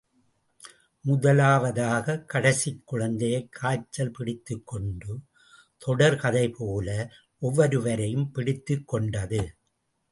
முதலாவதாக கடைசிக் குழந்தையைக் காய்ச்சல் பிடித்துக் கொண்டு, தொடர் கதை போல ஒவ்வொருவரையும் பிடித்துக் கொண்டது.